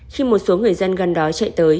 khi một số người dân gần đó chạy tới